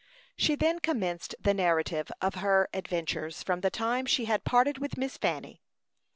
She then commenced the narrative of her adventures from the time she had parted with Miss Fanny.